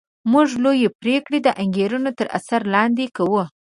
موږ لویې پرېکړې د انګېرنو تر اثر لاندې کوو